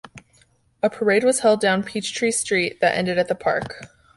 A parade was held down Peachtree Street that ended at the park.